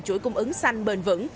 chuỗi cung ứng xanh bền vững